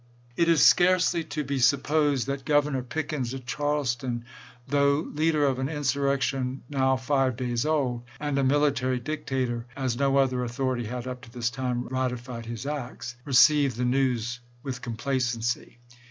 It is scarcely to be sup posed that Governor Pickens at Charleston, though leader of an insurrection now five days old, and a military dictator, as no other authority had up to this time ratified his acts, received the news with complacency.